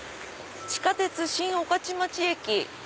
「地下鉄新御徒町駅」。